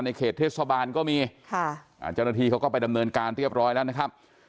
เขตเทศบาลก็มีค่ะอ่าเจ้าหน้าที่เขาก็ไปดำเนินการเรียบร้อยแล้วนะครับ